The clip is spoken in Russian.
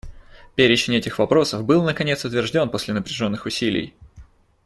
Перечень этих вопросов был наконец утвержден после напряженных усилий.